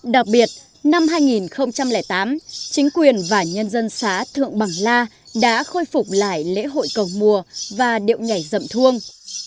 đặc biệt năm hai nghìn tám chính quyền và nhân dân xá thượng bằng la đã khôi phục lại lễ hội cầu mùa và điệu nhảy rậm thuông